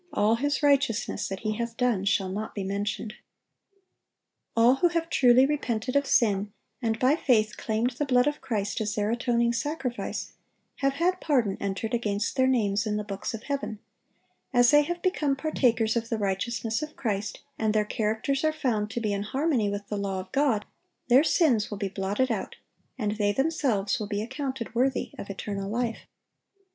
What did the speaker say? all his righteousness that he hath done shall not be mentioned."(856) All who have truly repented of sin, and by faith claimed the blood of Christ as their atoning sacrifice, have had pardon entered against their names in the books of heaven; as they have become partakers of the righteousness of Christ, and their characters are found to be in harmony with the law of God, their sins will be blotted out, and they themselves will be accounted worthy of eternal life.